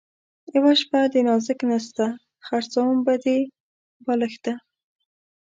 یوه شپه ده نازک نسته ـ خرڅوم به دې بالښته